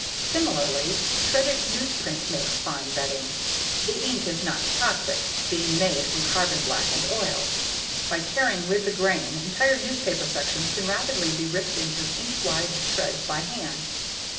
Similarly, shredded newsprint makes fine bedding. The ink is not toxic, being made from carbon black and oil. By tearing with the grain, entire newspaper sections can rapidly be ripped into inch wide shreds by hand.